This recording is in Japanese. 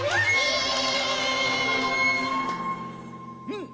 うん！